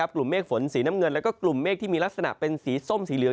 กลุ่มเมฆฝนสีน้ำเงินแล้วก็กลุ่มเมฆที่มีลักษณะเป็นสีส้มสีเหลือง